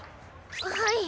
はい。